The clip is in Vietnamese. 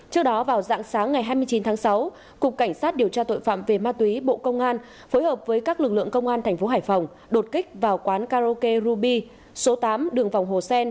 trước đó vào dạng sáng ngày hai mươi chín tháng sáu cục cảnh sát điều tra tội phạm về ma túy bộ công an phối hợp với các lực lượng công an tp hải phòng đột kích vào quán karaoke ruby số tám đường vòng hồ sen